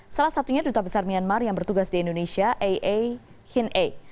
salah satunya duta besar myanmar yang bertugas di indonesia aa hin a